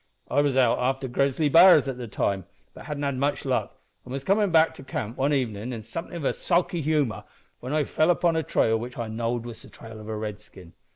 I was out after grizzly b'ars at the time, but hadn't had much luck, an' was comin' back to camp one evenin' in somethin' of a sulky humour, when I fell upon a trail which I knowed was the trail of a Redskin.